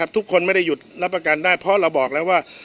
ทุกคนไม่ได้หยุดรับประกันได้เพราะเราบอกแล้วว่า